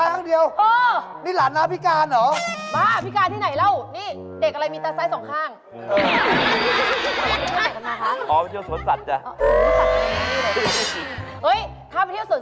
ดูนี่หูหลานในห้องบีตาสายครั้งเดียว